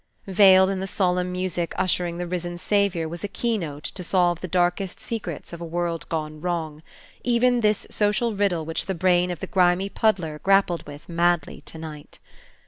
Veiled in the solemn music ushering the risen Saviour was a key note to solve the darkest secrets of a world gone wrong, even this social riddle which the brain of the grimy puddler grappled with madly to night.